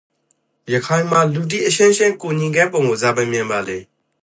ရခိုင်မှာလူတိအချင်းချင်းကူညီကတ်ပုံကို ဇာပိုင်မြင်ပါလေ?